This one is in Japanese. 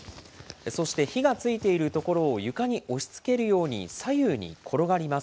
そして火がついている所を床に押しつけるように左右に転がります。